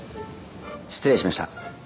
失礼しました。